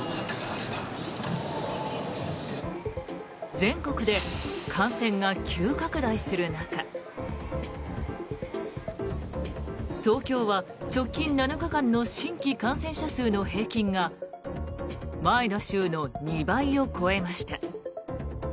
全国で感染が急拡大する中東京は直近７日間の新規感染者数の平均が前の週の２倍を超えました。